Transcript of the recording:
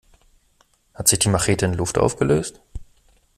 Hat sich die Machete in Luft aufgelöst?